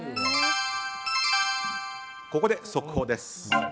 ここで、速報です。